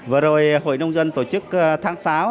vừa rồi hội nông dân tổ chức tháng sáu